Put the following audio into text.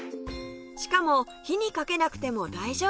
しかも火にかけなくても大丈夫！